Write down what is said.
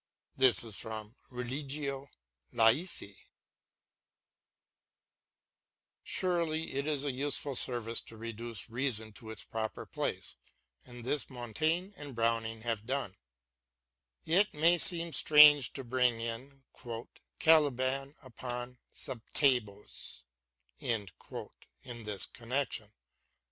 * Surely it is a useful service to reduce reason to its proper place, and this Montaigne and Browning have done. It may seem strange to bring in " Caliban upon Setebos " in this connection.